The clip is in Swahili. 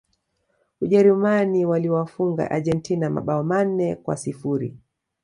Ujerumani waliwafunga Argentina mabao manne kwa sifuri